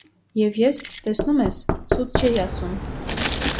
Եվ ես, տեսնում ես, սուտ չէի ասում: